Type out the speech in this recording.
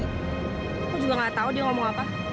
aku juga nggak tahu dia ngomong apa